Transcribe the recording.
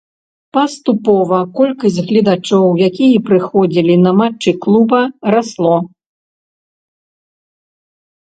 Паступова колькасць гледачоў, якія прыходзілі на матчы клуба, расло.